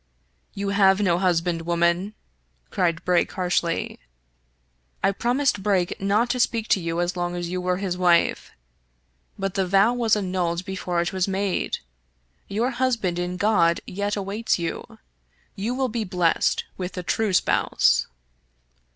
" You have no husband, woman," cried Brake harshly. *' I promised Dayton not to speak to you as long as you were his wife, but the vow was annulled before it was made. Your husband in God yet awaits you. You will yet be blessed with the true spouse."